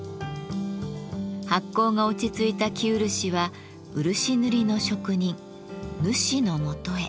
発酵が落ち着いた生漆は漆塗りの職人塗師のもとへ。